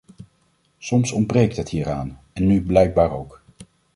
Soms ontbreekt het hieraan, en nu blijkbaar ook.